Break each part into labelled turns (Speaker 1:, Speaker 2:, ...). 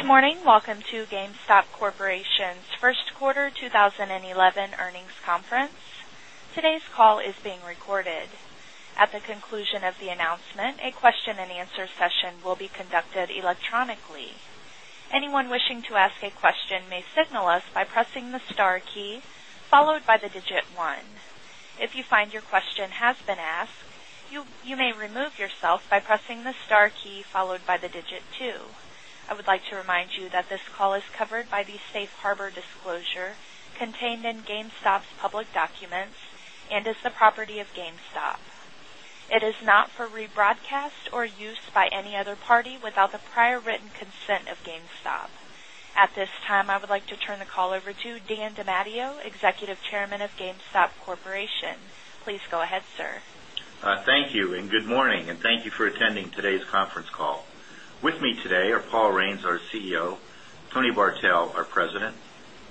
Speaker 1: Good morning. Welcome to GameStop Corporation's First Quarter 2011 Earnings Conference. Today's call is being recorded. At the conclusion of the announcement, a question-and-answer session will be conducted electronically. Anyone wishing to ask a question may signal us by pressing the star key followed by the digit one. If you find your question has been asked, you may remove yourself by pressing the star key followed by the digit two. I would like to remind you that this call is covered by the Safe Harbor disclosure contained in GameStop's public documents and is the property of GameStop. It is not for rebroadcast or use by any other party without the prior written consent of GameStop. At this time, I would like to turn the call over to Daniel DeMatteo, Executive Chairman of GameStop Corporation. Please go ahead, sir.
Speaker 2: Thank you, and good morning, and thank you for attending today's conference call. With me today are Paul Raines, our CEO, Tony Bartel, our President,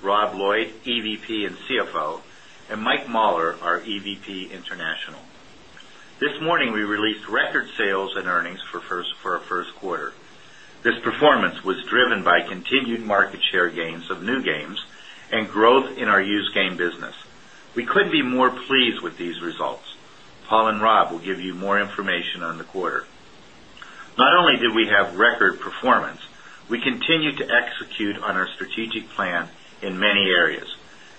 Speaker 2: Rob Lloyd, EVP and CFO, and Mike Mauler, our EVP International. This morning, we released record sales and earnings for our first quarter. This performance was driven by continued market share gains of new games and growth in our used game business. We couldn't be more pleased with these results. Paul and Rob will give you more information on the quarter. Not only did we have record performance, we continued to execute on our strategic plan in many areas.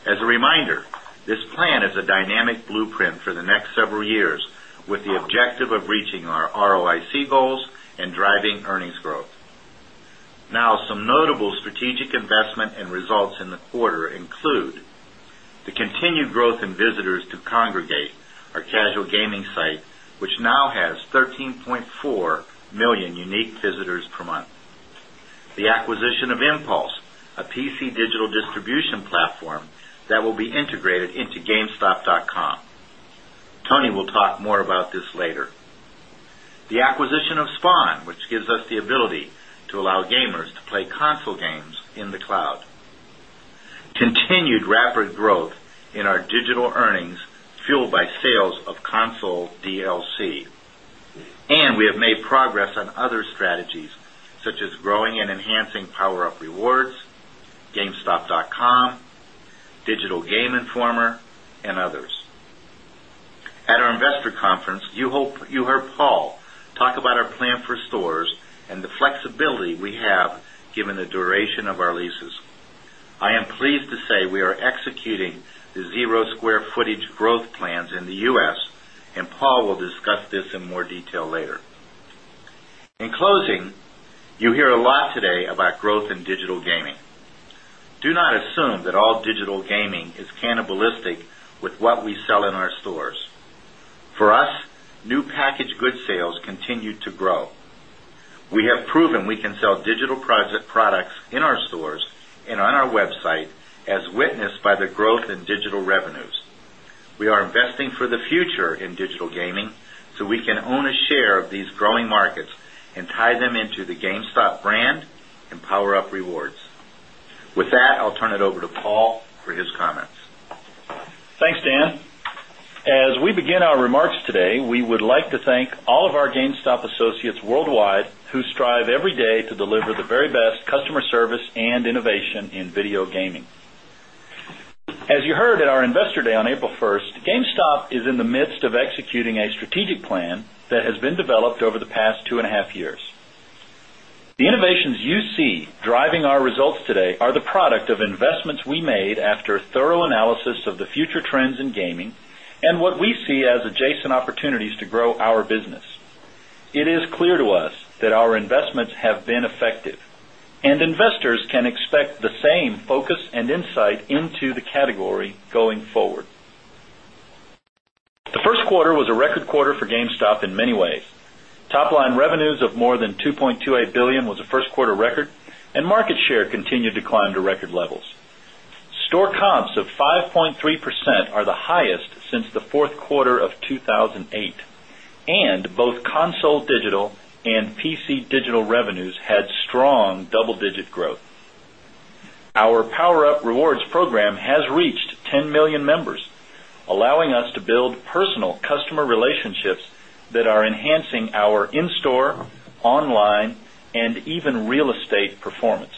Speaker 2: As a reminder, this plan is a dynamic blueprint for the next several years with the objective of reaching our ROIC goals and driving earnings growth. Now, some notable strategic investment and results in the quarter include the continued growth in visitors to Kongregate, our casual gaming site, which now has 13.4 million unique visitors per month, the acquisition of Impulse, a PC digital distribution platform that will be integrated into gamestop.com. Tony will talk more about this later, the acquisition of Spawn, which gives us the ability to allow gamers to play console games in the cloud, continued rapid growth in our digital earnings fueled by sales of console DLC, and we have made progress on other strategies such as growing and enhancing PowerUp Rewards, gamestop.com, Digital Game Informer, and others. At our investor conference, you heard Paul talk about our plan for stores and the flexibility we have given the duration of our leases. I am pleased to say we are executing the zero square footage growth plans in the U.S., and Paul will discuss this in more detail later. In closing, you hear a lot today about growth in digital gaming. Do not assume that all digital gaming is cannibalistic with what we sell in our stores. For us, new packaged goods sales continue to grow. We have proven we can sell digital products in our stores and on our website as witnessed by the growth in digital revenues. We are investing for the future in digital gaming so we can own a share of these growing markets and tie them into the GameStop brand and PowerUp Rewards. With that, I'll turn it over to Paul for his comments.
Speaker 3: Thanks, Dan. As we begin our remarks today, we would like to thank all of our GameStop associates worldwide who strive every day to deliver the very best customer service and innovation in video gaming. As you heard at our Investor Day on April 1, GameStop is in the midst of executing a strategic plan that has been developed over the past two and a half years. The innovations you see driving our results today are the product of investments we made after a thorough analysis of the future trends in gaming and what we see as adjacent opportunities to grow our business. It is clear to us that our investments have been effective, and investors can expect the same focus and insight into the category going forward. The first quarter was a record quarter for GameStop in many ways. Top-line revenues of more than $2.28 billion was a first-quarter record, and market share continued to climb to record levels. Store comps of 5.3% are the highest since the fourth quarter of 2008, and both console digital and PC digital revenues had strong double-digit growth. Our PowerUp Rewards program has reached 10 million members, allowing us to build personal customer relationships that are enhancing our in-store, online, and even real estate performance.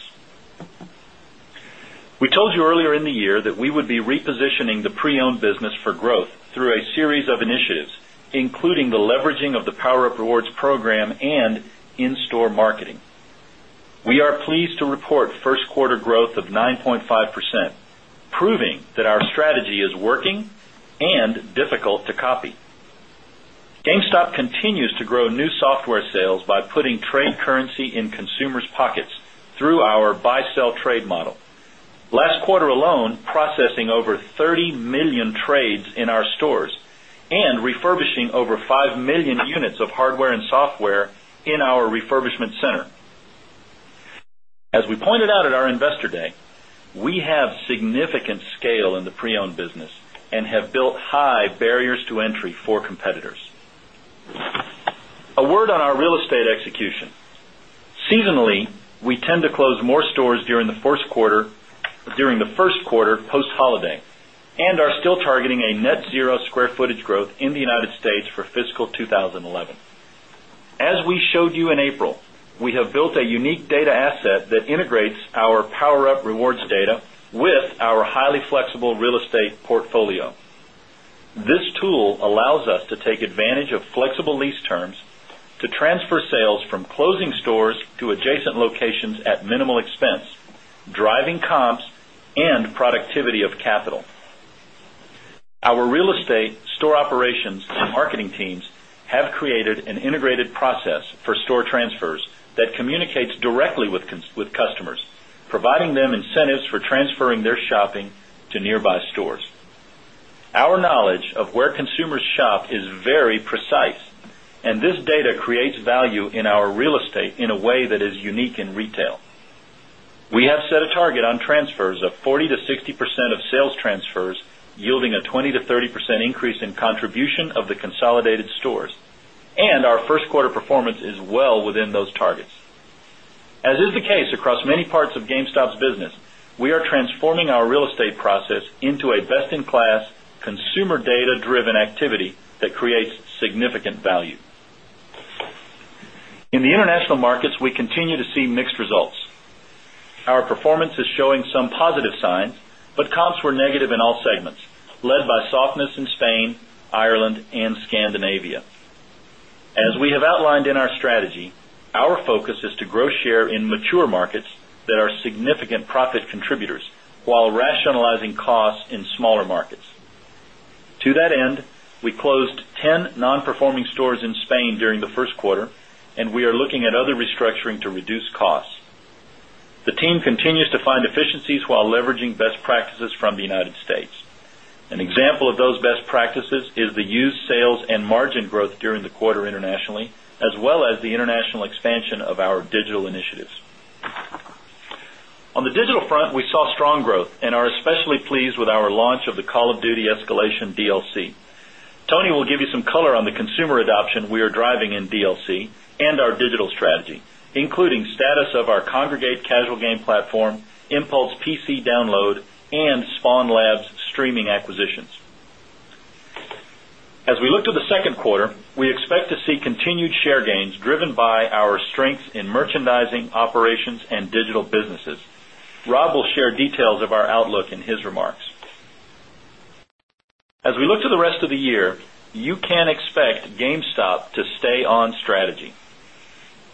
Speaker 3: We told you earlier in the year that we would be repositioning the pre-owned business for growth through a series of initiatives, including the leveraging of the PowerUp Rewards program and in-store marketing. We are pleased to report first-quarter growth of 9.5%, proving that our strategy is working and difficult to copy. GameStop continues to grow new software sales by putting trade currency in consumers' pockets through our buy-sell-trade model. Last quarter alone, processing over 30 million trades in our stores and refurbishing over 5 million units of hardware and software in our refurbishment center. As we pointed out at our Investor Day, we have significant scale in the pre-owned business and have built high barriers to entry for competitors. A word on our real estate execution. Seasonally, we tend to close more stores during the first quarter post-holiday and are still targeting a net zero square footage growth in the United States for fiscal 2011. As we showed you in April, we have built a unique data asset that integrates our PowerUp Rewards data with our highly flexible real estate portfolio. This tool allows us to take advantage of flexible lease terms to transfer sales from closing stores to adjacent locations at minimal expense, driving comps and productivity of capital. Our real estate, store operations, and marketing teams have created an integrated process for store transfers that communicates directly with customers, providing them incentives for transferring their shopping to nearby stores. Our knowledge of where consumers shop is very precise, and this data creates value in our real estate in a way that is unique in retail. We have set a target on transfers of 40%-60% of sales transfers, yielding a 20%-30% increase in contribution of the consolidated stores, and our first-quarter performance is well within those targets. As is the case across many parts of GameStop's business, we are transforming our real estate process into a best-in-class consumer data-driven activity that creates significant value. In the international markets, we continue to see mixed results. Our performance is showing some positive signs, but comps were negative in all segments, led by softness in Spain, Ireland, and Scandinavia. As we have outlined in our strategy, our focus is to grow share in mature markets that are significant profit contributors while rationalizing costs in smaller markets. To that end, we closed 10 non-performing stores in Spain during the first quarter, and we are looking at other restructuring to reduce costs. The team continues to find efficiencies while leveraging best practices from the United States. An example of those best practices is the used sales and margin growth during the quarter internationally, as well as the international expansion of our digital initiatives. On the digital front, we saw strong growth and are especially pleased with our launch of the Call of Duty Escalation DLC. Tony will give you some color on the consumer adoption we are driving in DLC and our digital strategy, including the status of our Kongregate casual game platform, Impulse PC download, and Spawn Labs streaming acquisitions. As we look to the second quarter, we expect to see continued share gains driven by our strengths in merchandising, operations, and digital businesses. Rob will share details of our outlook in his remarks. As we look to the rest of the year, you can expect GameStop to stay on strategy.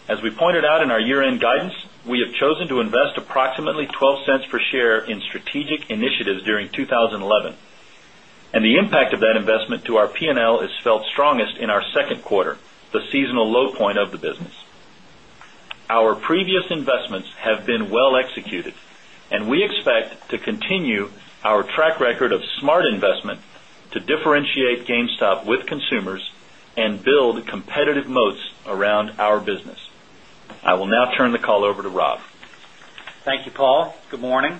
Speaker 3: As we pointed out in our year-end guidance, we have chosen to invest approximately $0.12 per share in strategic initiatives during 2011, and the impact of that investment to our P&L is felt strongest in our second quarter, the seasonal low point of the business. Our previous investments have been well executed, and we expect to continue our track record of smart investment to differentiate GameStop with consumers and build competitive moats around our business. I will now turn the call over to Rob.
Speaker 4: Thank you, Paul. Good morning.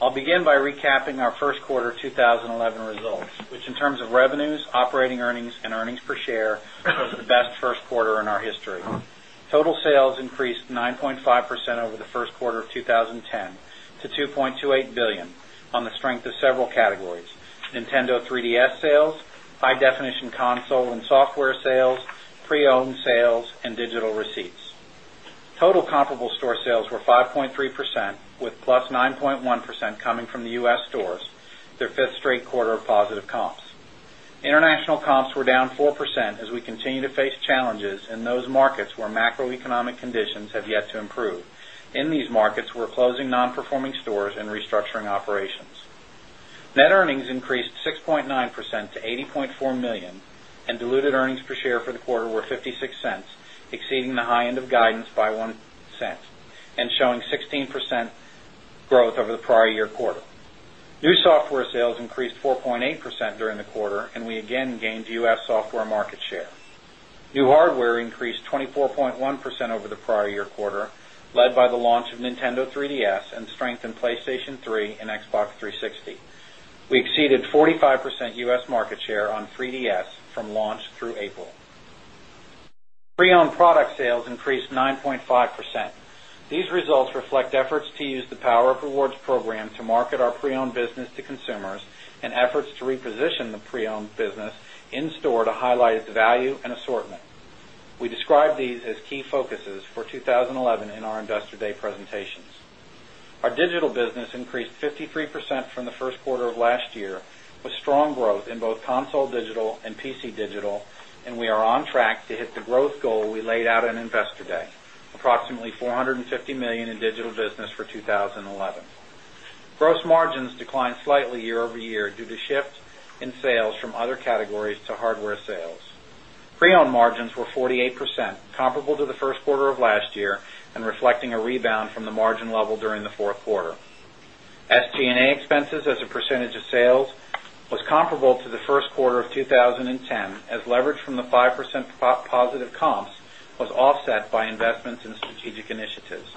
Speaker 4: I'll begin by recapping our first quarter 2011 results, which in terms of revenues, operating earnings, and earnings per share was the best first quarter in our history. Total sales increased 9.5% over the first quarter of 2010 to $2.28 billion on the strength of several categories: Nintendo 3DS sales, high-definition console and software sales, pre-owned sales, and digital receipts. Total comparable store sales were 5.3%, with +9.1% coming from the U.S. stores, their fifth straight quarter of positive comps. International comps were down 4% as we continue to face challenges in those markets where macroeconomic conditions have yet to improve. In these markets, we're closing non-performing stores and restructuring operations. Net earnings increased 6.9% to $80.4 million, and diluted earnings per share for the quarter were $0.56, exceeding the high end of guidance by $0.01 and showing 16% growth over the prior year quarter. New software sales increased 4.8% during the quarter, and we again gained U.S. software market share. New hardware increased 24.1% over the prior year quarter, led by the launch of Nintendo 3DS and strength in PlayStation 3 and Xbox 360. We exceeded 45% U.S. market share on 3DS from launch through April. Pre-owned product sales increased 9.5%. These results reflect efforts to use the PowerUp Rewards program to market our pre-owned business to consumers and efforts to reposition the pre-owned business in store to highlight its value and assortment. We describe these as key focuses for 2011 in our Investor Day presentations. Our digital business increased 53% from the first quarter of last year with strong growth in both console digital and PC digital, and we are on track to hit the growth goal we laid out on Investor Day, approximately $450 million in digital business for 2011. Gross margins declined slightly year-over-year due to shift in sales from other categories to hardware sales. Pre-owned margins were 48% comparable to the first quarter of last year and reflecting a rebound from the margin level during the fourth quarter. SG&A expenses as a percentage of sales was comparable to the first quarter of 2010 as leverage from the 5% positive comps was offset by investments in strategic initiatives.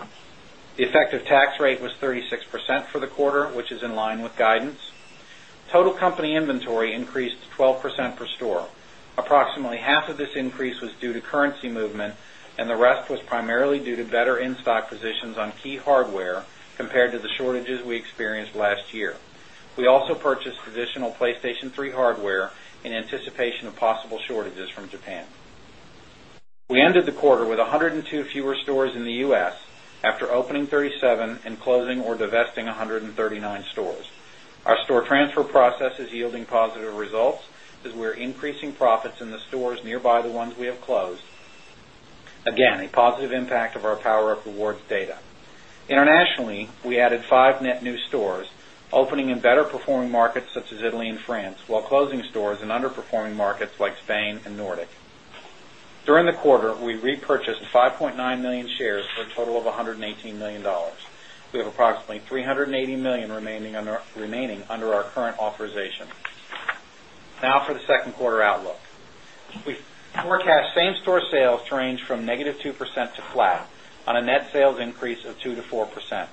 Speaker 4: The effective tax rate was 36% for the quarter, which is in line with guidance. Total company inventory increased 12% per store. Approximately half of this increase was due to currency movement, and the rest was primarily due to better in-stock positions on key hardware compared to the shortages we experienced last year. We also purchased additional PlayStation 3 hardware in anticipation of possible shortages from Japan. We ended the quarter with 102 fewer stores in the U.S. after opening 37 and closing or divesting 139 stores. Our store transfer process is yielding positive results as we're increasing profits in the stores nearby the ones we have closed. Again, a positive impact of our PowerUp Rewards data. Internationally, we added five net new stores, opening in better performing markets such as Italy and France, while closing stores in underperforming markets like Spain and Nordic. During the quarter, we repurchased 5.9 million shares for a total of $118 million. We have approximately $380 million remaining under our current authorization. Now for the second quarter outlook. We forecast same-store sales to range from -2% to flat on a net sales increase of 2%-4%.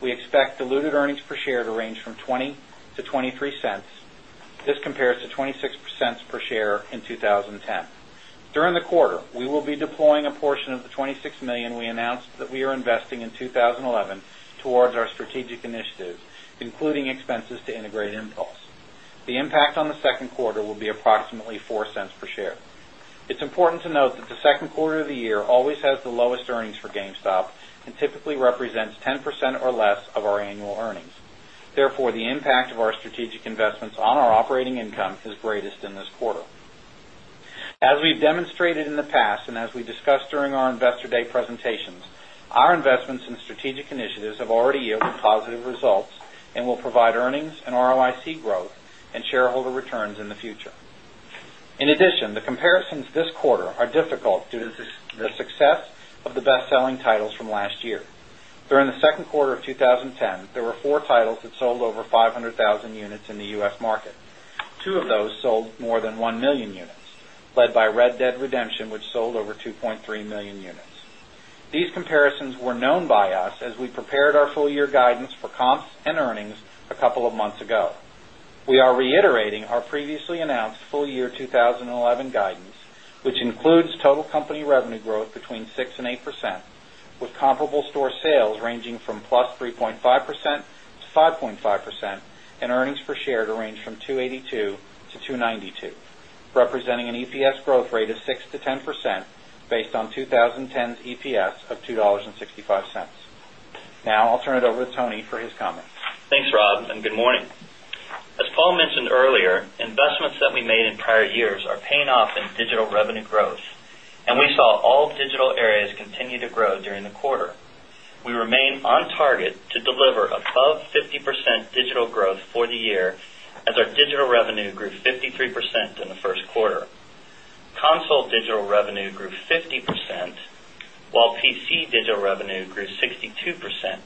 Speaker 4: We expect diluted earnings per share to range from $0.20-$0.23. This compares to $0.26 per share in 2010. During the quarter, we will be deploying a portion of the $26 million we announced that we are investing in 2011 towards our strategic initiatives, including expenses to integrate Impulse. The impact on the second quarter will be approximately $0.04 per share. It's important to note that the second quarter of the year always has the lowest earnings for GameStop and typically represents 10% or less of our annual earnings. Therefore, the impact of our strategic investments on our operating income is greatest in this quarter. As we've demonstrated in the past and as we discussed during our Investor Day presentations, our investments in strategic initiatives have already yielded positive results and will provide earnings and ROIC growth and shareholder returns in the future. In addition, the comparisons this quarter are difficult due to the success of the best-selling titles from last year. During the second quarter of 2010, there were four titles that sold over 500,000 units in the U.S. market. Two of those sold more than 1 million units, led by Red Dead Redemption, which sold over 2.3 million units. These comparisons were known by us as we prepared our full-year guidance for comps and earnings a couple of months ago. We are reiterating our previously announced full-year 2011 guidance, which includes total company revenue growth between 6% and 8%, with comparable store sales ranging from +3.5% to 5.5%, and earnings per share to range from $2.82-$2.92, representing an EPS growth rate of 6%-10% based on 2010's EPS of $2.65. Now, I'll turn it over to Tony for his comments.
Speaker 5: Thanks, Rob, and good morning. As Paul mentioned earlier, investments that we made in prior years are paying off in digital revenue growth, and we saw all digital areas continue to grow during the quarter. We remain on target to deliver above 50% digital growth for the year as our digital revenue grew 53% in the first quarter. Console digital revenue grew 50%, while PC digital revenue grew 62%.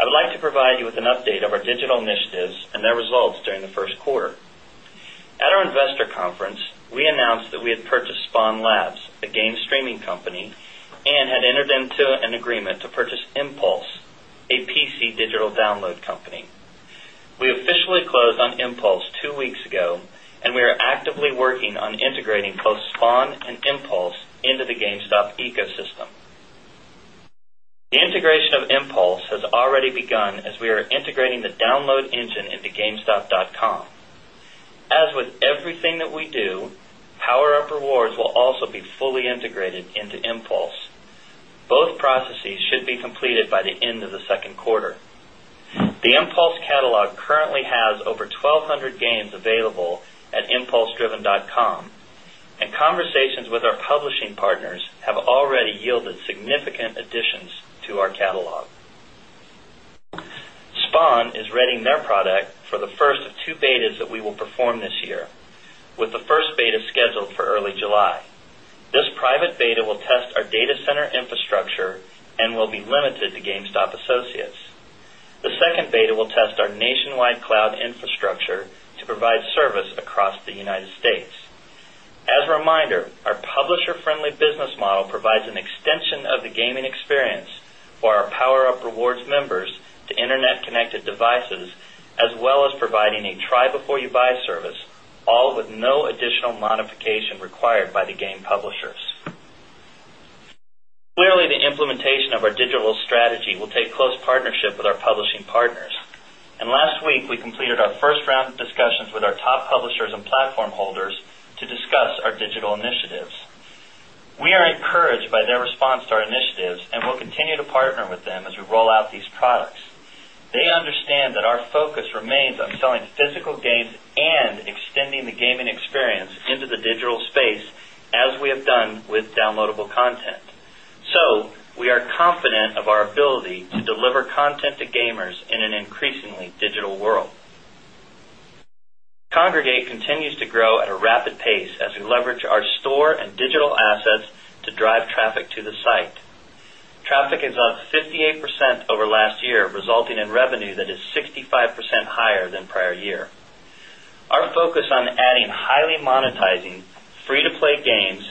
Speaker 5: I would like to provide you with an update of our digital initiatives and their results during the first quarter. At our investor conference, we announced that we had purchased Spawn Labs, a game streaming company, and had entered into an agreement to purchase Impulse, a PC digital download company. We officially closed on Impulse two weeks ago, and we are actively working on integrating both Spawn and Impulse into the GameStop ecosystem. The integration of Impulse has already begun as we are integrating the download engine into gamestop.com. As with everything that we do, PowerUp Rewards will also be fully integrated into Impulse. Both processes should be completed by the end of the second quarter. The Impulse catalog currently has over 1,200 games available at impulsedriven.com, and conversations with our publishing partners have already yielded significant additions to our catalog. Spawn is readying their product for the first of two betas that we will perform this year, with the first beta scheduled for early July. This private beta will test our data center infrastructure and will be limited to GameStop associates. The second beta will test our nationwide cloud infrastructure to provide service across the United States. As a reminder, our publisher-friendly business model provides an extension of the gaming experience for our PowerUp Rewards members to internet-connected devices, as well as providing a try-before-you-buy service, all with no additional modification required by the game publishers. Clearly, the implementation of our digital strategy will take close partnership with our publishing partners, and last week, we completed our first round of discussions with our top publishers and platform holders to discuss our digital initiatives. We are encouraged by their response to our initiatives and will continue to partner with them as we roll out these products. They understand that our focus remains on selling physical games and extending the gaming experience into the digital space, as we have done with downloadable content. We are confident of our ability to deliver content to gamers in an increasingly digital world. Kongregate continues to grow at a rapid pace as we leverage our store and digital assets to drive traffic to the site. Traffic has gone up 58% over last year, resulting in revenue that is 65% higher than prior year. Our focus on adding highly monetizing free-to-play games,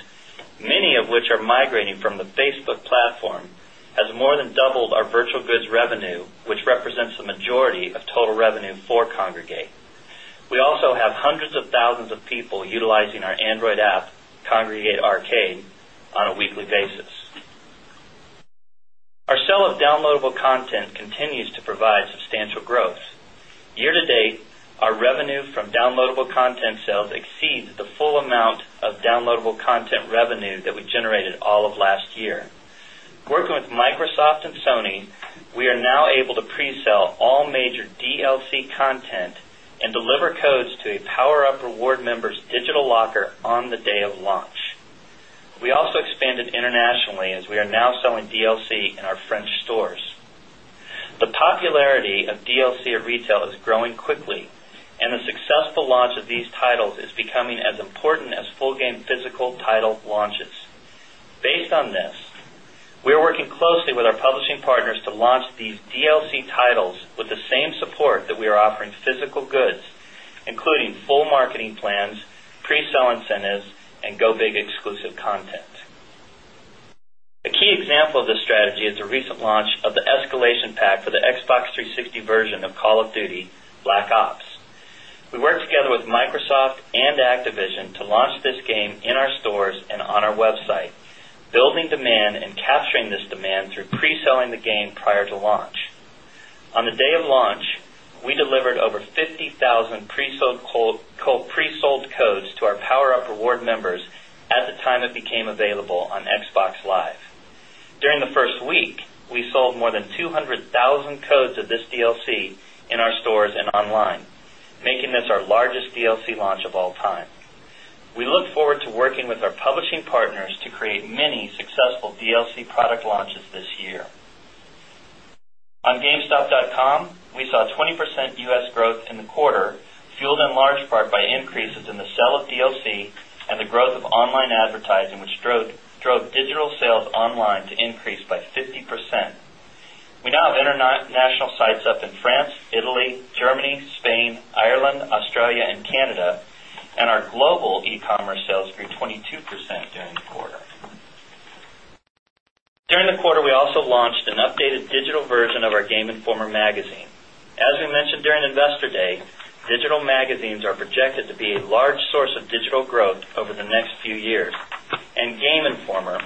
Speaker 5: many of which are migrating from the Facebook platform, has more than doubled our virtual goods revenue, which represents the majority of total revenue for Kongregate. We also have hundreds of thousands of people utilizing our Android app, Kongregate Arcade, on a weekly basis. Our sale of downloadable content continues to provide substantial growth. Year to date, our revenue from downloadable content sales exceeds the full amount of downloadable content revenue that we generated all of last year. Working with Microsoft and Sony, we are now able to pre-sell all major DLC content and deliver codes to a PowerUp Rewards members' digital locker on the day of launch. We also expanded internationally as we are now selling DLC in our French stores. The popularity of DLC at retail is growing quickly, and the successful launch of these titles is becoming as important as full-game physical title launches. Based on this, we are working closely with our publishing partners to launch these DLC titles with the same support that we are offering physical goods, including full marketing plans, pre-sale incentives, and go-big exclusive content. A key example of this strategy is the recent launch of the Escalation Pack for the Xbox 360 version of Call of Duty: Black Ops. We worked together with Microsoft and Activision to launch this game in our stores and on our website, building demand and capturing this demand through pre-selling the game prior to launch. On the day of launch, we delivered over 50,000 pre-sold codes to our PowerUp Rewards members at the time it became available on Xbox Live. During the first week, we sold more than 200,000 codes of this DLC in our stores and online, making this our largest DLC launch of all time. We look forward to working with our publishing partners to create many successful DLC product launches this year. On gamestop.com, we saw 20% U.S. growth in the quarter, fueled in large part by increases in the sale of DLC and the growth of online advertising, which drove digital sales online to increase by 50%. We now have international sites up in France, Italy, Germany, Spain, Ireland, Australia, and Canada, and our global e-commerce sales grew 22% during the quarter. During the quarter, we also launched an updated digital version of our Game Informer magazine. As we mentioned during Investor Day, digital magazines are projected to be a large source of digital growth over the next few years, and Game Informer,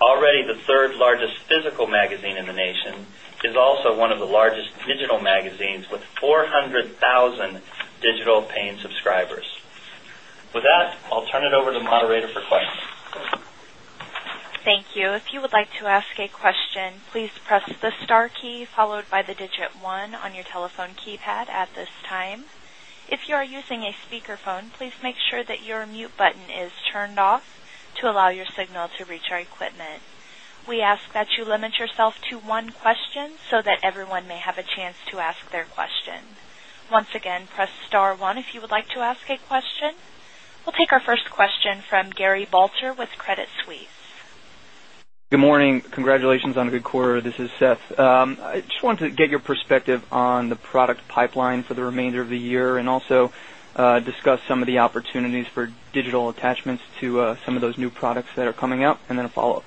Speaker 5: already the third largest physical magazine in the nation, is also one of the largest digital magazines with 400,000 digital paying subscribers. With that, I'll turn it over to the moderator for questions.
Speaker 1: Thank you. If you would like to ask a question, please press the star key followed by the digit one on your telephone keypad at this time. If you are using a speakerphone, please make sure that your mute button is turned off to allow your signal to reach our equipment. We ask that you limit yourself to one question so that everyone may have a chance to ask their question. Once again, press star one if you would like to ask a question. We'll take our first question from Gary Balter with Credit Suisse.
Speaker 6: Good morning. Congratulations on a good quarter. This is Seth. I just wanted to get your perspective on the product pipeline for the remainder of the year and also discuss some of the opportunities for digital attachments to some of those new products that are coming out and then a follow-up.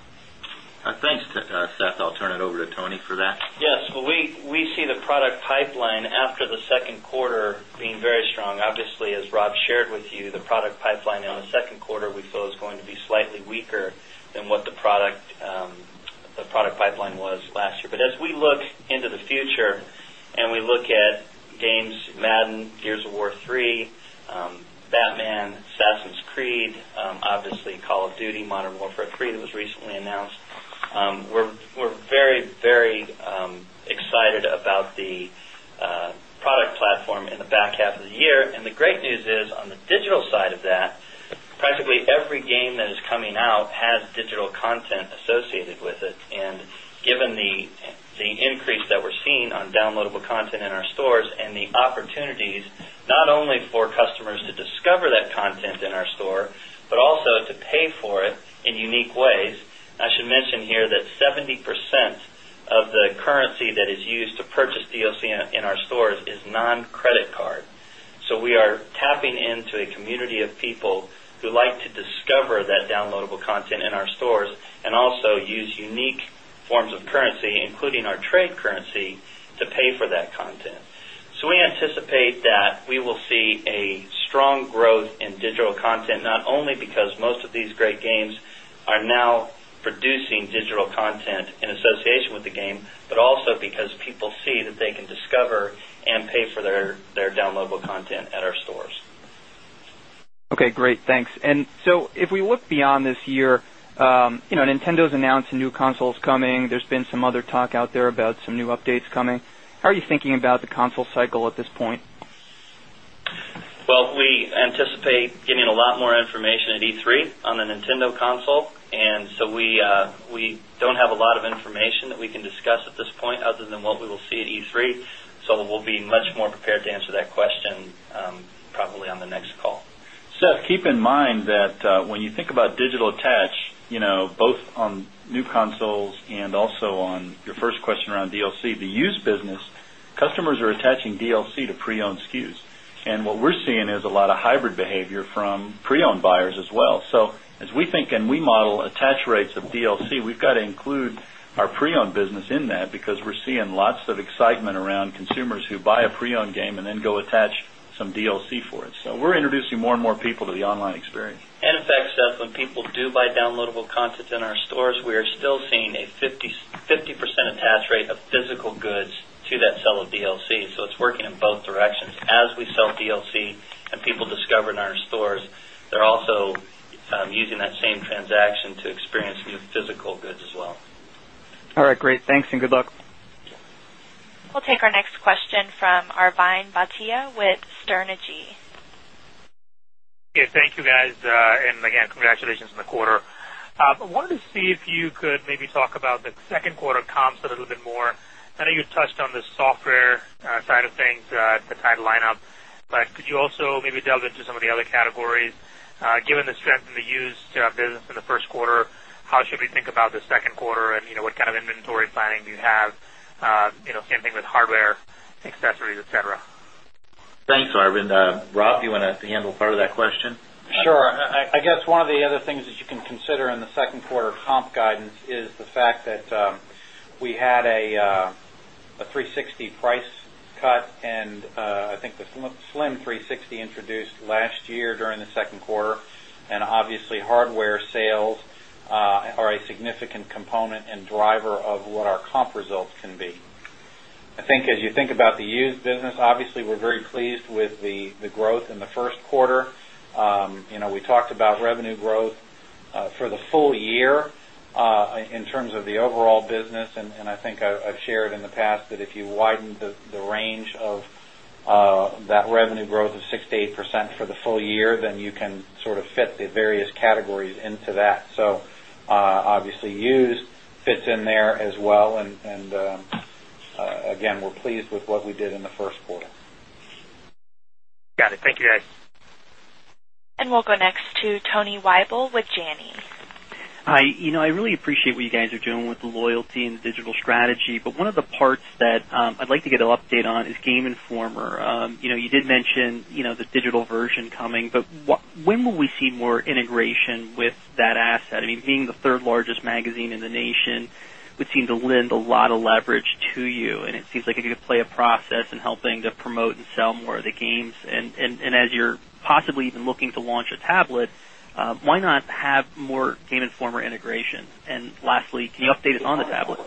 Speaker 2: Thanks, Seth. I'll turn it over to Tony for that.
Speaker 5: Yes, we see the product pipeline after the second quarter being very strong. Obviously, as Rob shared with you, the product pipeline in the second quarter is going to be slightly weaker than what the product pipeline was last year. As we look into the future and we look at games, Madden, Gears of War 3, Batman, Assassin's Creed, obviously Call of Duty: Modern Warfare 3 that was recently announced, we're very, very excited about the product platform in the back half of the year. The great news is on the digital side of that, practically every game that is coming out has digital content associated with it. Given the increase that we're seeing on downloadable content in our stores and the opportunities not only for customers to discover that content in our store but also to pay for it in unique ways, I should mention here that 70% of the currency that is used to purchase DLC in our stores is non-credit card. We are tapping into a community of people who like to discover that downloadable content in our stores and also use unique forms of currency, including our trade currency, to pay for that content. We anticipate that we will see strong growth in digital content not only because most of these great games are now producing digital content in association with the game, but also because people see that they can discover and pay for their downloadable content at our stores.
Speaker 6: OK, great. Thanks. If we look beyond this year, you know Nintendo's announcing new consoles coming. There's been some other talk out there about some new updates coming. How are you thinking about the console cycle at this point?
Speaker 5: We anticipate getting a lot more information at E3 on the Nintendo console. We do not have a lot of information that we can discuss at this point other than what we will see at E3. We will be much more prepared to answer that question probably on the next call.
Speaker 3: Seth, keep in mind that when you think about digital attach, both on new consoles and also on your first question around DLC, the used business, customers are attaching DLC to pre-owned SKUs. What we're seeing is a lot of hybrid behavior from pre-owned buyers as well. As we think and we model attach rates of DLC, we've got to include our pre-owned business in that because we're seeing lots of excitement around consumers who buy a pre-owned game and then go attach some DLC for it. We're introducing more and more people to the online experience.
Speaker 5: In fact, Seth, when people do buy downloadable content in our stores, we are still seeing a 50% attach rate of physical goods to that sale of DLC. It is working in both directions. As we sell DLC and people discover it in our stores, they're also using that same transaction to experience physical goods as well.
Speaker 6: All right, great. Thanks and good luck.
Speaker 1: We'll take our next question from Arvind Bhatia with Sterne Agee.
Speaker 7: Thank you, guys, and again, congratulations on the quarter. I wanted to see if you could maybe talk about the second quarter comps a little bit more. I know you touched on the software side of things, the tied lineup, but could you also maybe delve into some of the other categories? Given the strength in the used business in the first quarter, how should we think about the second quarter and what kind of inventory planning do you have? Same thing with hardware, accessories, et cetera.
Speaker 3: Thanks, Arvind. Rob, you want to handle part of that question?
Speaker 4: Sure. I guess one of the other things that you can consider in the second quarter comp guidance is the fact that we had a 360 price cut, and I think the slim 360 introduced last year during the second quarter. Obviously, hardware sales are a significant component and driver of what our comp results can be. I think as you think about the used business, obviously, we're very pleased with the growth in the first quarter. We talked about revenue growth for the full year in terms of the overall business. I think I've shared in the past that if you widen the range of that revenue growth of 6%-8% for the full year, then you can sort of fit the various categories into that. Obviously, used fits in there as well. Again, we're pleased with what we did in the first quarter.
Speaker 7: Got it. Thank you, guys.
Speaker 1: We'll go next to Tony Wible with Janney.
Speaker 8: You know, I really appreciate what you guys are doing with the loyalty and the digital strategy. One of the parts that I'd like to get an update on is Game Informer. You did mention the digital version coming, but when will we see more integration with that asset? I mean, being the third largest magazine in the nation, we've seen it lend a lot of leverage to you. It seems like it could play a process in helping to promote and sell more of the games. As you're possibly even looking to launch a tablet, why not have more Game Informer integration? Lastly, can you update it on the tablet?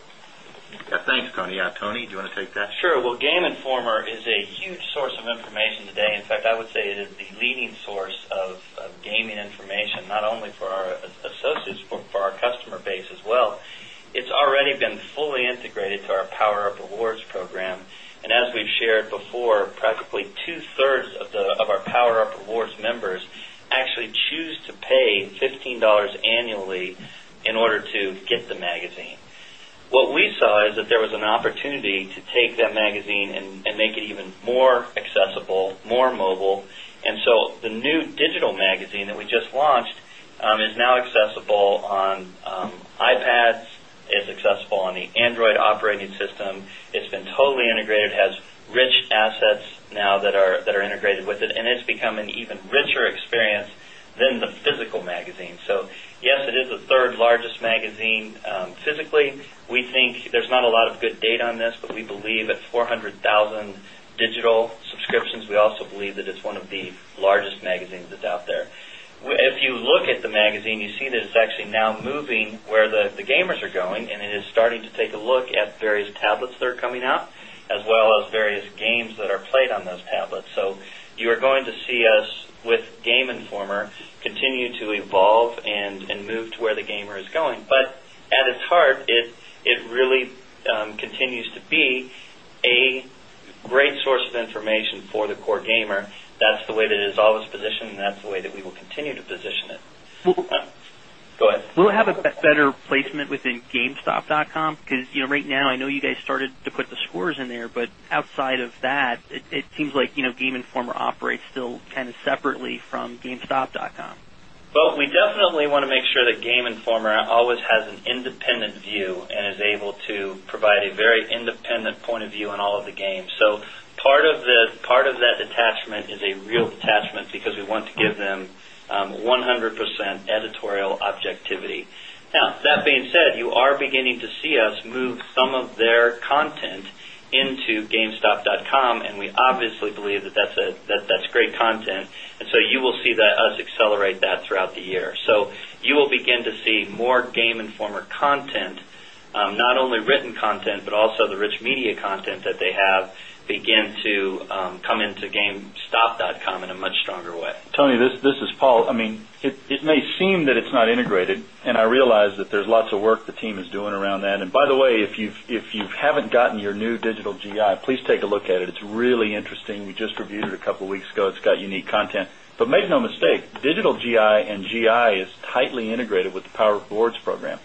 Speaker 2: Yeah, thanks, Tony. Tony, do you want to take that?
Speaker 5: Sure. Game Informer is a huge source of information today. In fact, I would say it is the leading source of gaming information not only for our associates, but for our customer base as well. It's already been fully integrated to our PowerUp Rewards program. As we've shared before, practically 2/3 of our PowerUp Rewards members actually choose to pay $15 annually in order to get the magazine. What we saw is that there was an opportunity to take that magazine and make it even more accessible, more mobile. The new digital magazine that we just launched is now accessible on iPads. It's accessible on the Android operating system. It's been totally integrated, has rich assets now that are integrated with it, and it's become an even richer experience than the physical magazine. Yes, it is the third largest magazine physically. We think there's not a lot of good data on this, but we believe at 400,000 digital subscriptions, we also believe that it's one of the largest magazines that's out there. If you look at the magazine, you see that it's actually now moving where the gamers are going, and it is starting to take a look at various tablets that are coming out, as well as various games that are played on those tablets. You are going to see us with Game Informer continue to evolve and move to where the gamer is going. At its heart, it really continues to be a great source of information for the core gamer. That's the way that it is always positioned, and that's the way that we will continue to position it.
Speaker 8: Will it have a better placement within gamestop.com? Because right now, I know you guys started to put the scores in there, but outside of that, it seems like Game Informer operates still kind of separately from gamestop.com.
Speaker 5: We definitely want to make sure that Game Informer always has an independent view and is able to provide a very independent point of view on all of the games. Part of that detachment is a real detachment because we want to give them 100% editorial objectivity. That being said, you are beginning to see us move some of their content into gamestop.com, and we obviously believe that that's great content. You will see us accelerate that throughout the year. You will begin to see more Game Informer content, not only written content, but also the rich media content that they have begin to come into gamestop.com in a much stronger way.
Speaker 3: Tony, this is Paul. I mean, it may seem that it's not integrated, and I realize that there's lots of work the team is doing around that. By the way, if you haven't gotten your new digital GI, please take a look at it. It's really interesting. We just reviewed it a couple of weeks ago. It's got unique content. Make no mistake, digital GI and GI is tightly integrated with the PowerUp Rewards program.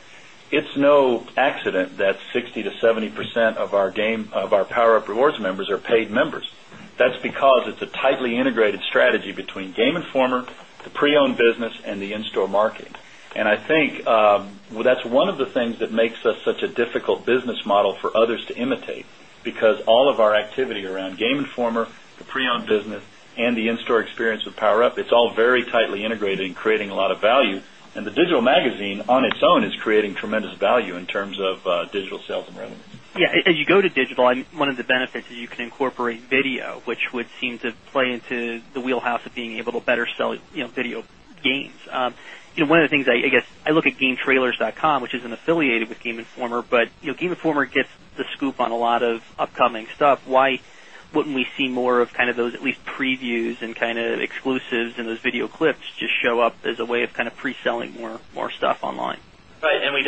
Speaker 3: It's no accident that 60%-70% of our PowerUp Rewards members are paid members. That's because it's a tightly integrated strategy between Game Informer, the pre-owned business, and the in-store marketing. I think that's one of the things that makes us such a difficult business model for others to imitate because all of our activity around Game Informer, the pre-owned business, and the in-store experience with PowerUp, it's all very tightly integrated and creating a lot of value. The digital magazine on its own is creating tremendous value in terms of digital sales and revenue.
Speaker 8: Yeah, as you go to digital, one of the benefits is you can incorporate video, which would seem to play into the wheelhouse of being able to better sell video games. One of the things I guess I look at gametrailers.com, which isn't affiliated with Game Informer, but Game Informer gets the scoop on a lot of upcoming stuff. Why wouldn't we see more of kind of those at least previews and kind of exclusives and those video clips just show up as a way of kind of pre-selling more stuff online?
Speaker 5: Right. We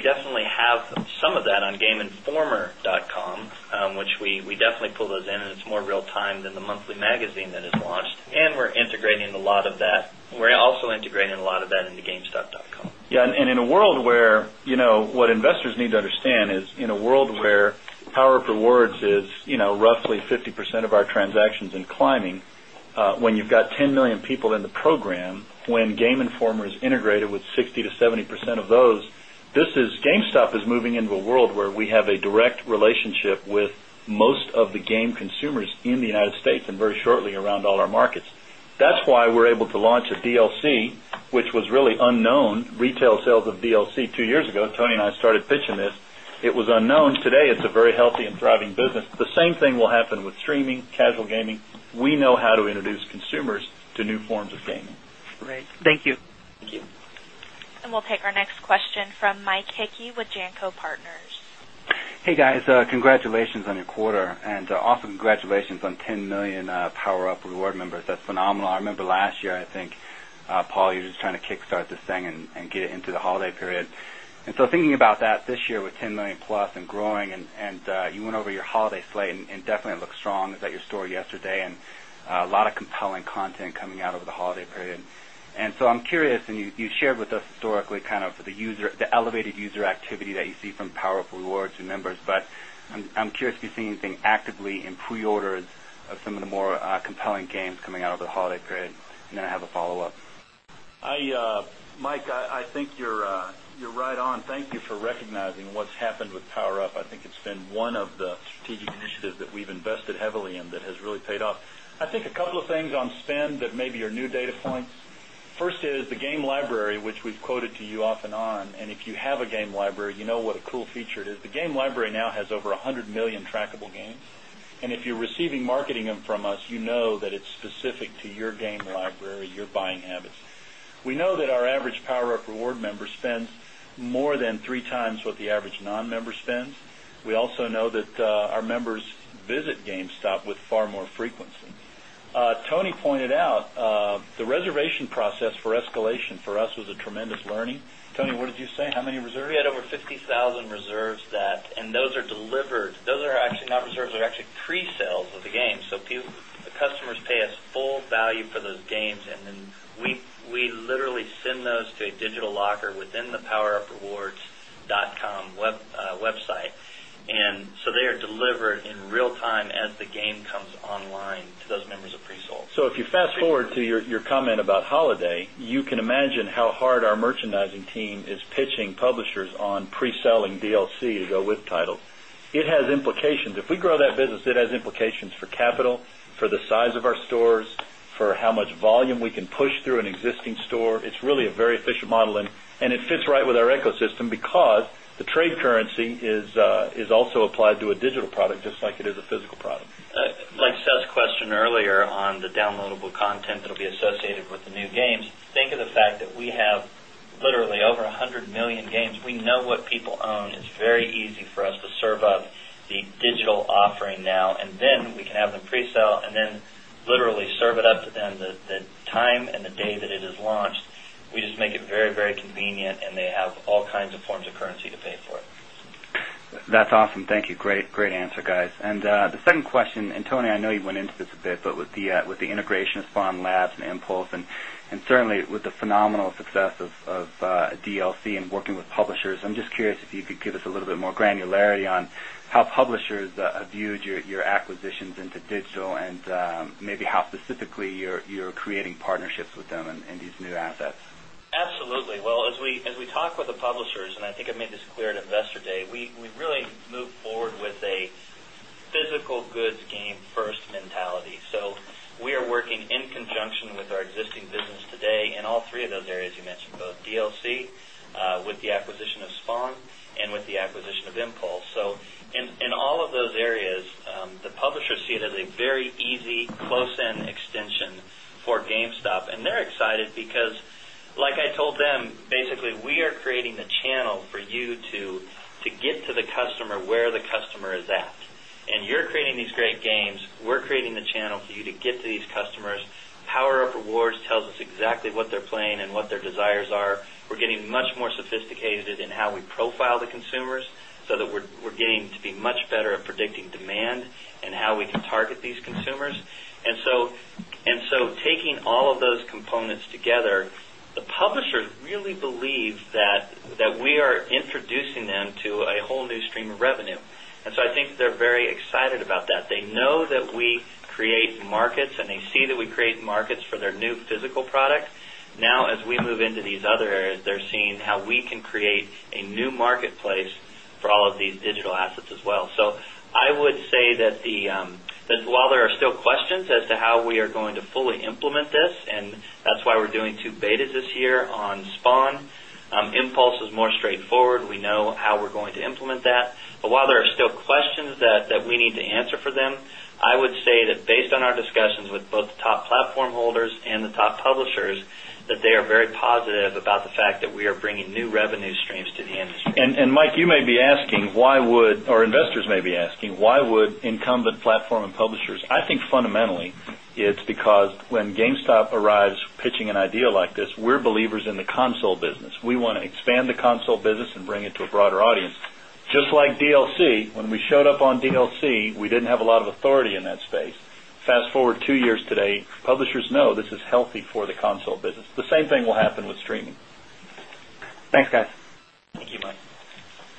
Speaker 5: definitely have some of that on gameinformer.com, which we definitely pull those in, and it's more real-time than the monthly magazine that is launched. We're integrating a lot of that. We're also integrating a lot of that into gamestop.com.
Speaker 3: Yeah, in a world where what investors need to understand is in a world where PowerUp Rewards is roughly 50% of our transactions and climbing, when you've got 10 million people in the program, when Game Informer is integrated with 60%-70% of those, GameStop is moving into a world where we have a direct relationship with most of the game consumers in the United States and very shortly around all our markets. That's why we're able to launch a DLC, which was really unknown. Retail sales of DLC two years ago, Tony and I started pitching this. It was unknown. Today, it's a very healthy and thriving business. The same thing will happen with streaming, casual gaming. We know how to introduce consumers to new forms of gaming.
Speaker 8: Great. Thank you.
Speaker 1: We will take our next question from Mike Hickey with Janco Partners.
Speaker 9: Hey, guys. Congratulations on your quarter and also congratulations on 10 million PowerUp Rewards members. That's phenomenal. I remember last year, I think, Paul, you were just trying to kickstart this thing and get it into the holiday period. Thinking about that this year with 10+ million and growing, you went over your holiday slate and definitely looked strong. I was at your store yesterday and a lot of compelling content coming out over the holiday period. I'm curious, you shared with us historically kind of the elevated user activity that you see from PowerUp Rewards members. I'm curious if you've seen anything actively in pre-orders of some of the more compelling games coming out over the holiday period. I have a follow-up.
Speaker 3: Mike, I think you're right on. Thank you for recognizing what's happened with PowerUp. I think it's been one of the strategic initiatives that we've invested heavily in that has really paid off. I think a couple of things on spend that maybe are new data points. First is the game library, which we've quoted to you off and on. If you have a game library, you know what a cool feature it is. The game library now has over 100 million trackable games. If you're receiving marketing from us, you know that it's specific to your game library, your buying habits. We know that our average PowerUp Rewards member spends more than three times what the average non-member spends. We also know that our members visit GameStop with far more frequency. Tony pointed out the reservation process for Escalation for us was a tremendous learning. Tony, what did you say? How many reserves?
Speaker 5: We had over 50,000 reserves, and those are delivered. Those are actually not reserves. They're actually pre-sales of the games. Customers pay us full value for those games, and then we literally send those to a digital locker within the poweruprewards.com website. They are delivered in real time as the game comes online to those members of pre-sold.
Speaker 3: If you fast forward to your comment about holiday, you can imagine how hard our merchandising team is pitching publishers on pre-selling DLC to go with title. It has implications. If we grow that business, it has implications for capital, for the size of our stores, for how much volume we can push through an existing store. It's really a very efficient model, and it fits right with our ecosystem because the trade currency is also applied to a digital product just like it is a physical product.
Speaker 5: Like Seth's question earlier on the downloadable content that will be associated with the new games, think of the fact that we have literally over 100 million games. We know what people own. It's very easy for us to serve up the digital offering now, and then we can have them pre-sell and then literally serve it up to them the time and the day that it is launched. We just make it very, very convenient, and they have all kinds of forms of currency to pay for it.
Speaker 9: That's awesome. Thank you. Great answer, guys. The second question, and Tony, I know you went into this a bit, with the integration of Spawn Labs and Impulse and certainly with the phenomenal success of DLC and working with publishers, I'm just curious if you could give us a little bit more granularity on how publishers have viewed your acquisitions into digital and maybe how specifically you're creating partnerships with them in these new assets.
Speaker 5: Absolutely. As we talk with the publishers, and I think I made this clear to Investor Day, we really move forward with a physical goods game first mentality. We are working in conjunction with our existing business today in all three of those areas you mentioned, both DLC with the acquisition of Spawn and with the acquisition of Impulse. In all of those areas, the publishers see it as a very easy close-in extension for GameStop. They are excited because, like I told them, basically, we are creating the channel for you to get to the customer where the customer is at. You are creating these great games. We are creating the channel for you to get to these customers. PowerUp Rewards tells us exactly what they're playing and what their desires are. We are getting much more sophisticated in how we profile the consumers so that we're getting to be much better at predicting demand and how we can target these consumers. Taking all of those components together, the publishers really believe that we are introducing them to a whole new stream of revenue. I think they're very excited about that. They know that we create markets, and they see that we create markets for their new physical product. As we move into these other areas, they're seeing how we can create a new marketplace for all of these digital assets as well. I would say that while there are still questions as to how we are going to fully implement this, and that's why we're doing two betas this year on Spawn, Impulse is more straightforward. We know how we're going to implement that. While there are still questions that we need to answer for them, I would say that based on our discussions with both the top platform holders and the top publishers, they are very positive about the fact that we are bringing new revenue streams to the industry.
Speaker 3: Mike, you may be asking, why would, or investors may be asking, why would incumbent platform and publishers? I think fundamentally, it's because when GameStop arrives pitching an idea like this, we're believers in the console business. We want to expand the console business and bring it to a broader audience. Just like DLC, when we showed up on DLC, we didn't have a lot of authority in that space. Fast forward two years to today, publishers know this is healthy for the console business. The same thing will happen with streaming.
Speaker 9: Thanks, guys.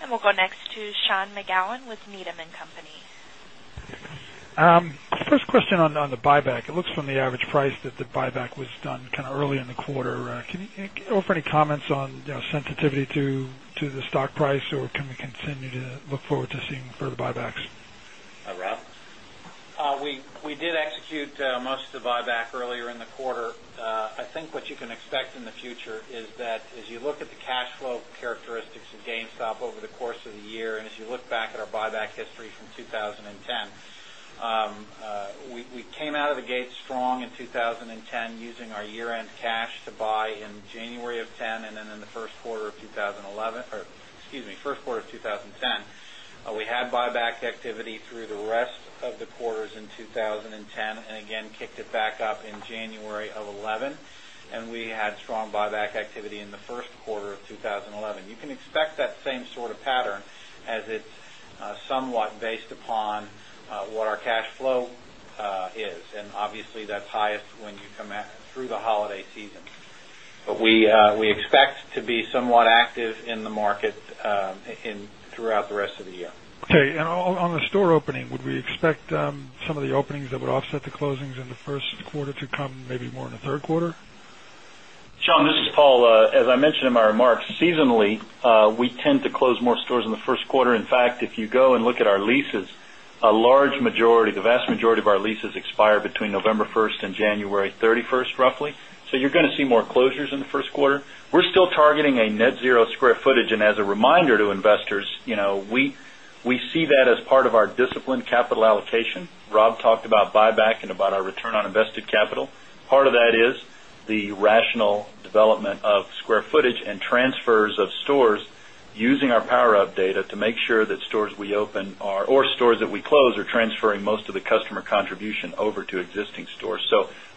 Speaker 1: We'll go next to Sean McGowan with Needham & Company.
Speaker 10: First question on the buyback. It looks from the average price that the buyback was done kind of early in the quarter. Can you offer any comments on sensitivity to the stock price, or can we continue to look forward to seeing further buybacks?
Speaker 2: Rob?
Speaker 4: We did execute most of the buyback earlier in the quarter. I think what you can expect in the future is that as you look at the cash flow characteristics of GameStop over the course of the year, and as you look back at our buyback history from 2010, we came out of the gate strong in 2010 using our year-end cash to buy in January of 2010 and then in the first quarter of 2010. We had buyback activity through the rest of the quarters in 2010 and again kicked it back up in January of 2011. We had strong buyback activity in the first quarter of 2011. You can expect that same sort of pattern as it's somewhat based upon what our cash flow is. Obviously, that's highest when you come through the holiday season. We expect to be somewhat active in the market throughout the rest of the year.
Speaker 10: OK, on the store opening, would we expect some of the openings that would offset the closings in the first quarter to come maybe more in the third quarter?
Speaker 3: Sean, this is Paul. As I mentioned in my remarks, seasonally, we tend to close more stores in the first quarter. In fact, if you go and look at our leases, a large majority, the vast majority of our leases expire between November 1 and January 31, roughly. You are going to see more closures in the first quarter. We are still targeting a net zero square footage. As a reminder to investors, we see that as part of our disciplined capital allocation. Rob talked about buyback and about our return on invested capital. Part of that is the rational development of square footage and transfers of stores using our PowerUp data to make sure that stores we open or stores that we close are transferring most of the customer contribution over to existing stores.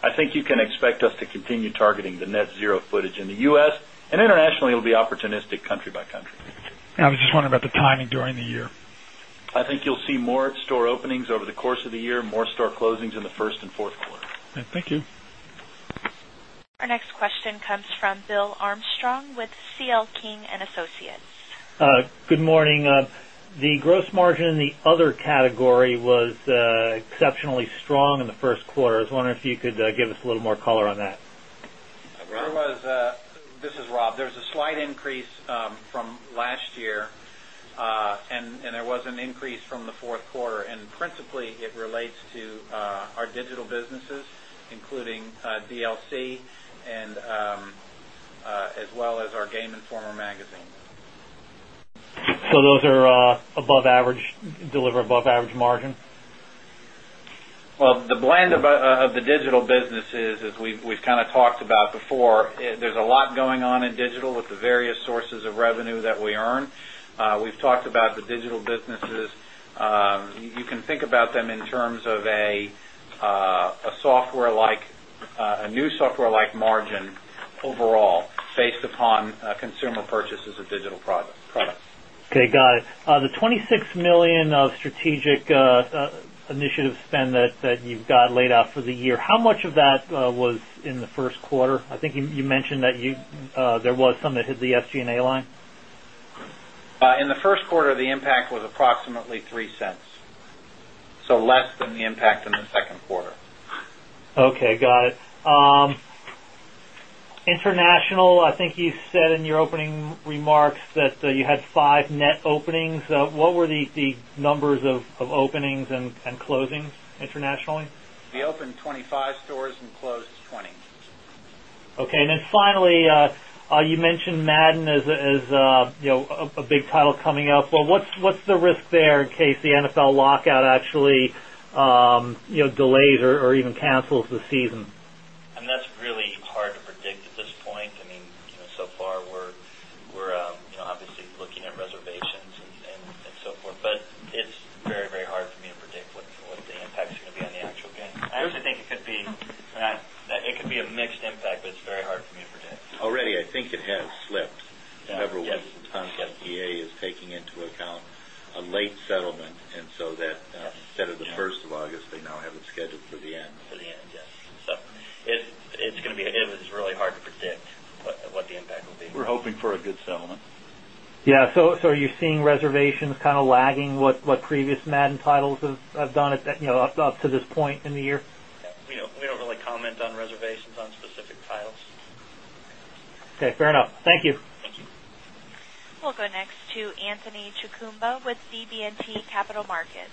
Speaker 3: I think you can expect us to continue targeting the net zero footage in the U.S. Internationally, it will be opportunistic country by country.
Speaker 10: I was just wondering about the timing during the year.
Speaker 3: I think you'll see more store openings over the course of the year, more store closings in the first and fourth quarter.
Speaker 1: Our next question comes from Bill Armstrong from C.L. King & Associates.
Speaker 11: Good morning. The gross margin in the other category was exceptionally strong in the first quarter. I was wondering if you could give us a little more color on that.
Speaker 4: There was a, this is Rob. There is a slight increase from last year, and there was an increase from the fourth quarter. Principally, it relates to our digital businesses, including DLC, as well as our Game Informer magazine.
Speaker 11: Are those above average, deliver above average margin?
Speaker 4: The blend of the digital businesses, as we've kind of talked about before, there's a lot going on in digital with the various sources of revenue that we earn. We've talked about the digital businesses. You can think about them in terms of a software-like, a new software-like margin overall based upon consumer purchases of digital products.
Speaker 11: OK, got it. The $26 million of strategic initiative spend that you've got laid out for the year, how much of that was in the first quarter? I think you mentioned that there was some that hit the SG&A line.
Speaker 4: In the first quarter, the impact was approximately $0.03, so less than the impact in the second quarter.
Speaker 11: OK, got it. International, I think you said in your opening remarks that you had five net openings. What were the numbers of openings and closings internationally?
Speaker 4: We opened 25 stores and closed 20.
Speaker 11: OK. Finally, you mentioned Madden as a big title coming up. What's the risk there in case the NFL lockout actually delays or even cancels the season?
Speaker 5: That's really hard to predict at this point. I mean, so far, we're obviously looking at reservations and so forth. It's very, very hard for me to predict what the impact is going to be on the actual game. I actually think it could be a mixed impact, but it's very hard for me to predict.
Speaker 3: Already, I think it has slipped several times. The EA is taking into account a late settlement, so that instead of the 1st of August, they now have it scheduled for the end.
Speaker 5: For the end, yes, it's going to be, it was really hard to predict what the impact will be.
Speaker 3: We're hoping for a good settlement.
Speaker 11: Are you seeing reservations kind of lagging what previous Madden titles have done up to this point in the year?
Speaker 3: We don't really comment on reservations on specific titles.
Speaker 11: OK, fair enough. Thank you.
Speaker 1: We'll go next to Anthony Chukumba with BB&T Capital Markets.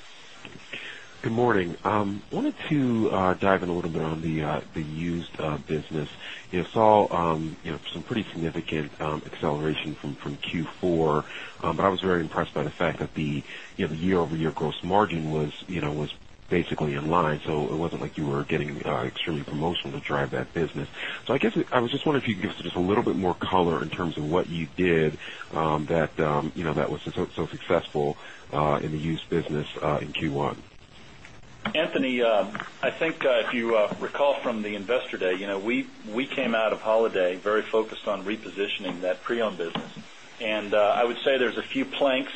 Speaker 12: Good morning. I wanted to dive in a little bit on the used business. You saw some pretty significant acceleration from Q4. I was very impressed by the fact that the year-over-year gross margin was basically in line. It wasn't like you were getting extremely promotional to drive that business. I guess I was just wondering if you can give us just a little bit more color in terms of what you did that was so successful in the used business in Q1.
Speaker 3: Anthony, I think if you recall from the Investor Day, we came out of holiday very focused on repositioning that pre-owned business. I would say there's a few planks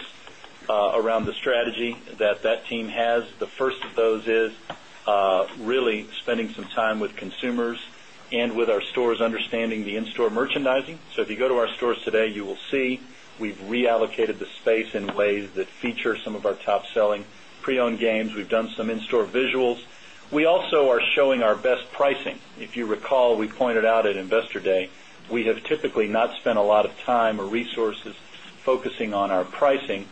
Speaker 3: around the strategy that that team has. The first of those is really spending some time with consumers and with our stores understanding the in-store merchandising. If you go to our stores today, you will see we've reallocated the space in ways that feature some of our top-selling pre-owned games. We've done some in-store visuals. We also are showing our best pricing. If you recall, we pointed out at Investor Day, we have typically not spent a lot of time or resources focusing on our pricing.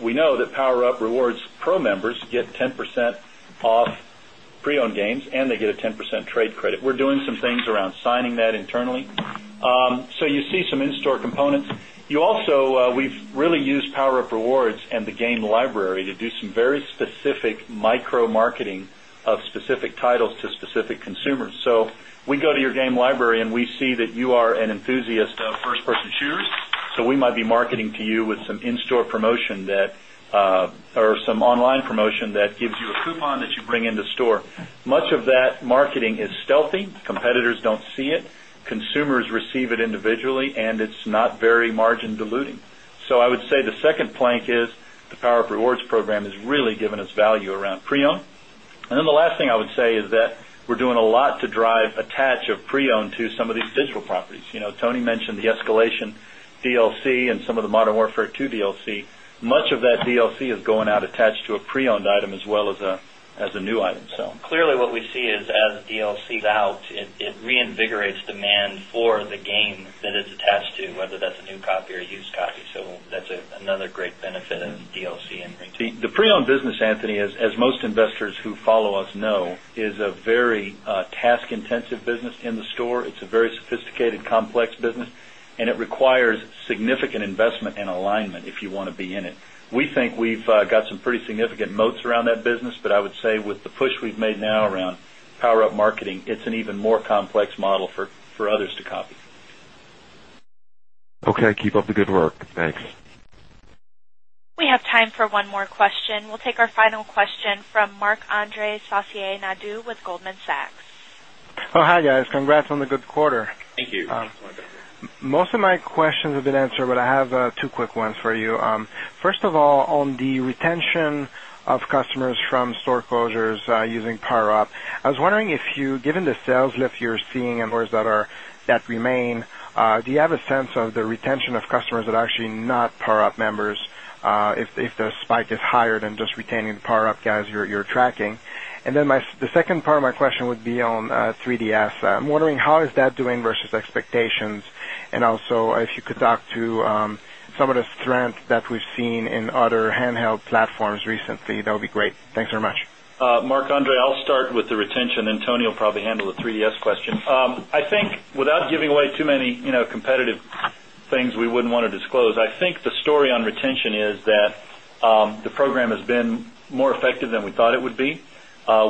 Speaker 3: We know that PowerUp Rewards Pro members get 10% off pre-owned games, and they get a 10% trade credit. We're doing some things around signing that internally. You see some in-store components. We've really used PowerUp Rewards and the game library to do some very specific micro-marketing of specific titles to specific consumers. We go to your game library, and we see that you are an enthusiast of first-person shooters. We might be marketing to you with some in-store promotion or some online promotion that gives you a foot-long that you bring into store. Much of that marketing is stealthy. Competitors don't see it. Consumers receive it individually, and it's not very margin-deluding. I would say the second plank is the PowerUp Rewards program has really given us value around pre-owned. The last thing I would say is that we're doing a lot to drive attach of pre-owned to some of these digital properties. Tony mentioned the Escalation DLC and some of the Modern Warfare 2 DLC. Much of that DLC is going out attached to a pre-owned item as well as a new item.
Speaker 5: What we see is as DLC value, it reinvigorates demand for the game that it's attached to, whether that's a new copy or a used copy. That's another great benefit of DLC.
Speaker 3: The pre-owned business, Anthony, as most investors who follow us know, is a very task-intensive business in the store. It's a very sophisticated, complex business, and it requires significant investment and alignment if you want to be in it. We think we've got some pretty significant moats around that business. I would say with the push we've made now around PowerUp marketing, it's an even more complex model for others to copy.
Speaker 12: OK, keep up the good work. Thanks.
Speaker 1: We have time for one more question. We'll take our final question from Mark-André Saucier-Nadeau with Goldman Sachs.
Speaker 13: Oh, hi, guys. Congrats on the good quarter. Most of my questions have been answered, but I have two quick ones for you. First of all, on the retention of customers from store closures using PowerUp, I was wondering if you, given the sales lift you're seeing and wars that remain, do you have a sense of the retention of customers that are actually not PowerUp members if the spike is higher than just retaining the PowerUp guys you're tracking? The second part of my question would be on 3DS. I'm wondering how is that doing versus expectations? Also, if you could talk to some of the strength that we've seen in other handheld platforms recently, that would be great. Thanks very much.
Speaker 3: Mark-André, I'll start with the retention, and Tony will probably handle the 3DS question. I think without giving away too many competitive things we wouldn't want to disclose, I think the story on retention is that the program has been more effective than we thought it would be.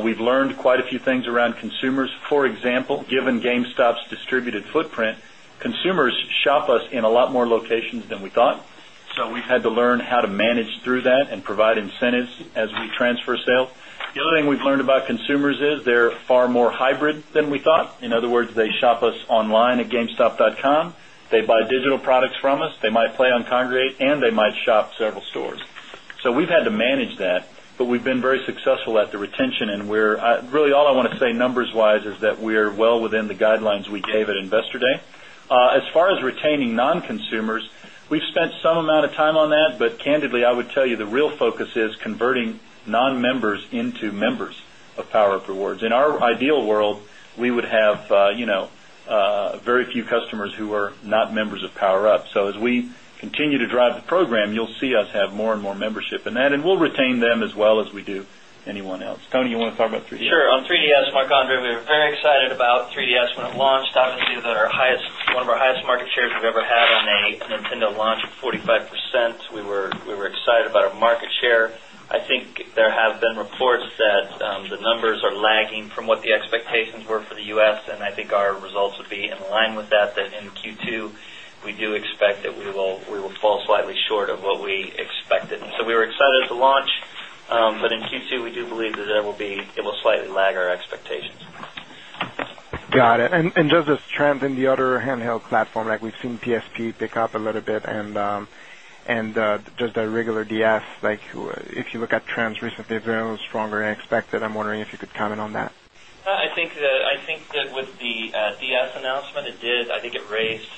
Speaker 3: We've learned quite a few things around consumers. For example, given GameStop's distributed footprint, consumers shop us in a lot more locations than we thought. We've had to learn how to manage through that and provide incentives as we transfer sales. The other thing we've learned about consumers is they're far more hybrid than we thought. In other words, they shop us online at gamestop.com. They buy digital products from us. They might play on Kongregate, and they might shop several stores. We've had to manage that, but we've been very successful at the retention. Really, all I want to say numbers-wise is that we're well within the guidelines we gave at Investor Day. As far as retaining non-consumers, we've spent some amount of time on that. Candidly, I would tell you the real focus is converting non-members into members of PowerUp Rewards. In our ideal world, we would have very few customers who were not members of PowerUp. As we continue to drive the program, you'll see us have more and more membership in that. We'll retain them as well as we do anyone else. Tony, you want to talk about 3DS?
Speaker 5: Sure. On 3DS, Mark-André, we were very excited about 3DS when it launched. Obviously, one of our highest market shares we've ever had on a Nintendo launch of 45%. We were excited about our market share. I think there have been reports that the numbers are lagging from what the expectations were for the U.S. I think our results would be in line with that, that in Q2, we do expect that we will fall slightly short of what we expected. We were excited at the launch, but in Q2, we do believe that it will slightly lag our expectations.
Speaker 13: Got it. Does this trend in the other handheld platforms, like we've seen PSP pick up a little bit, and does the regular DS, like if you look at trends recently, very stronger than expected? I'm wondering if you could comment on that.
Speaker 5: I think that with the DS announcement, it raised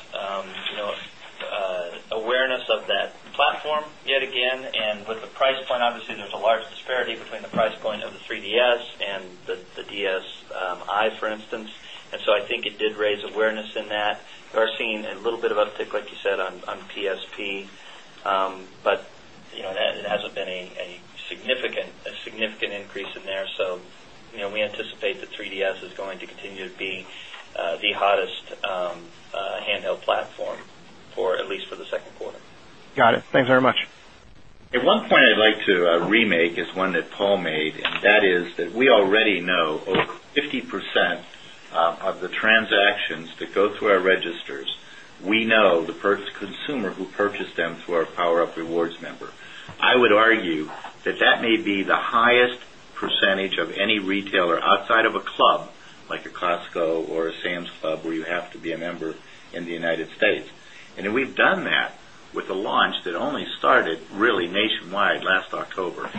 Speaker 5: awareness of that platform yet again. With the price point, obviously, there's a large disparity between the price point of the 3DS and the DSi, for instance. I think it did raise awareness in that. We are seeing a little bit of uptick, like you said, on PSP, but it hasn't been a significant increase in there. We anticipate the 3DS is going to continue to be the hottest handheld platform, at least for the second quarter.
Speaker 13: Got it. Thanks very much.
Speaker 2: One point I'd like to remake is one that Paul made. That is that we already know over 50% of the transactions that go through our registers, we know the consumer who purchased them through our PowerUp Rewards member. I would argue that that may be the highest percentage of any retailer outside of a club, like a Costco or a Sam's Club, where you have to be a member in the United States. We've done that with a launch that only started really nationwide last October.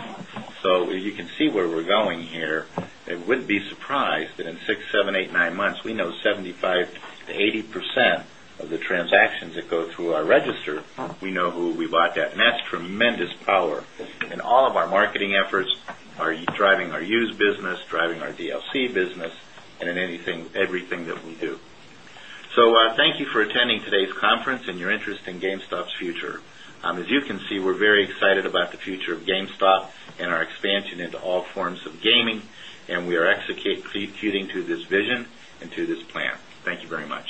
Speaker 2: You can see where we're going here. I wouldn't be surprised that in six, seven, eight, nine months, we know 75%-80% of the transactions that go through our register, we know who bought that. That's tremendous power in all of our marketing efforts, driving our used business, driving our DLC business, and in everything that we do. Thank you for attending today's conference and your interest in GameStop's future. As you can see, we're very excited about the future of GameStop and our expansion into all forms of gaming. We are executing to this vision and to this plan. Thank you very much.